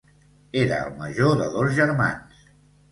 Era el major de dos germans.